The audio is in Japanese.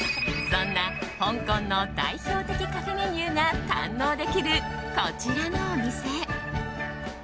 そんな香港の代表的カフェメニューが堪能できる、こちらのお店。